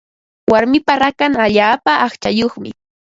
Warmipa rakan allaapa aqchayuqmi.